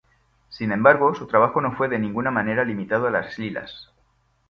Sin embargo, su trabajo no fue de ninguna manera limitado a las lilas.